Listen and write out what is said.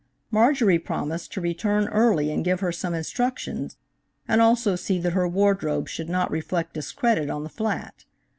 Marjorie promised to return early and give her some instructions and also see that her wardrobe should not reflect discredit on the flat.